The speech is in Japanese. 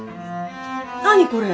何これ？